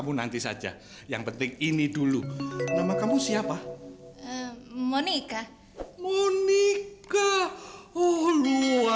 bukan yang laki laki itu